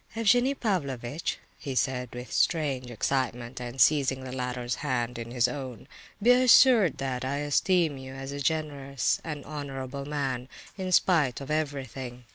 "Evgenie Pavlovitch," he said, with strange excitement and seizing the latter's hand in his own, "be assured that I esteem you as a generous and honourable man, in spite of everything.